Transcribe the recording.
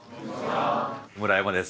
村山です。